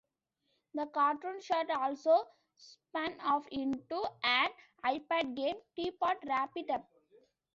The cartoon short also spun off into an iPad game "Teapot Rap it Up!".